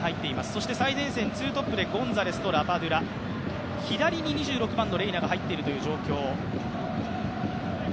そして最前線、ツートップでゴンザレスとラパドゥラ、左に２６番のレイナが入っているという状況。